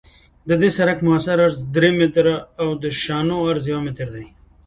د دې سرک مؤثر عرض درې متره او د شانو عرض یو متر دی